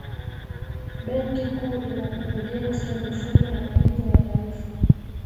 benki kuu ina kurugenzi ya mifumo ya malipo ya taifa